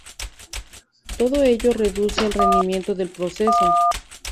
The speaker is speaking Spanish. Todo ello reduce el rendimiento del proceso.